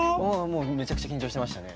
もうめちゃくちゃ緊張してましたね。